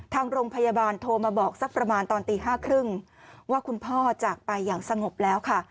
ทางโรงพยาบาลโทรมาบอกสักประมาณตอนตี๕๓๐ว่าคุณพ่อจากไปอย่างสงบแล้วค่ะ